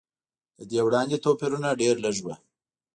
له دې وړاندې توپیرونه ډېر لږ و.